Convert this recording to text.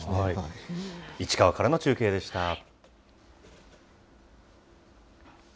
市川からの中継でした。